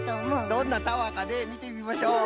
どんなタワーかねみてみましょう。